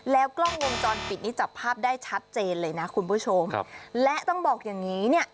แล้วกล้องวงจรปิดนี้จับภาพได้ชัดเจนเลยนะคุณผู้ชมครับและต้องบอกอย่างงี้เนี่ย